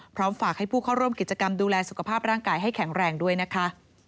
พร้อมฝากให้ผู้เข้าร่วมกิจกรรมดูแลสุขภาพร่างกายให้แข็งแรงด้วยนะคะ